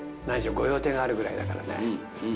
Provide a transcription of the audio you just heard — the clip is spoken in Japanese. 何しろ御用邸があるぐらいだからね。